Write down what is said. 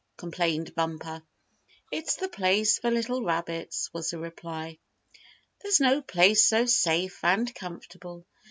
complained Bumper. "It's the place for little rabbits," was the reply. "There's no place so safe and comfortable."